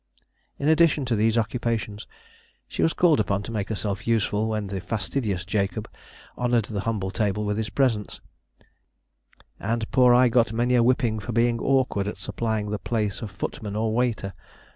In addition to these occupations, she was called upon to make herself useful when the fastidious Jacob honoured the humble table with his presence, "and poor I got many a whipping for being awkward at supplying the place of footman or waiter."